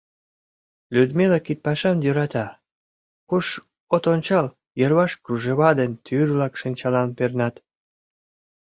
Людмила кидпашам йӧрата, куш от ончал, йырваш кружева ден тӱр-влак шинчалан пернат.